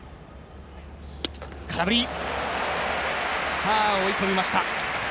さあ、追い込みました。